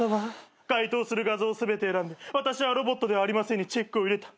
該当する画像全て選んで「私はロボットではありません」にチェックを入れた。